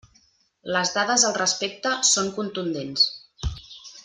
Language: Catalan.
Les dades al respecte són contundents.